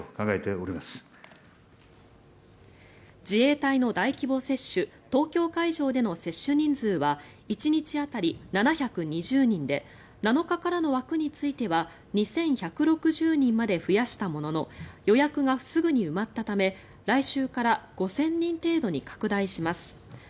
自衛隊の大規模接種東京会場での接種人数は１日当たり７２０人で７日からの枠については２１６０人まで増やしたものの予約がすぐに埋まったため来週から５０００人程度に拡大します。